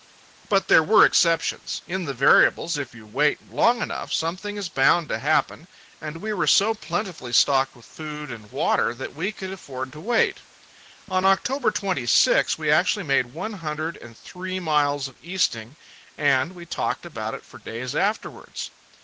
But there were exceptions. In the variables, if you wait long enough, something is bound to happen, and we were so plentifully stocked with food and water that we could afford to wait. On October 26, we actually made one hundred and three miles of easting, and we talked about it for days afterwards.